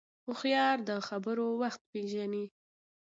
هوښیار د خبرو وخت پېژني